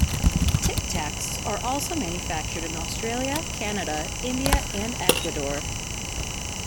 Tic Tacs are also manufactured in Australia, Canada, India and Ecuador.